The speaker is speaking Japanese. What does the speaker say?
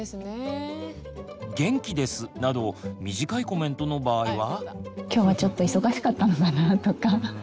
「元気です」など短いコメントの場合は？